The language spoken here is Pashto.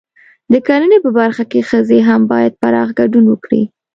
د کرنې په برخه کې ښځې هم باید پراخ ګډون وکړي.